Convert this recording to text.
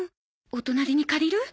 お隣に借りる？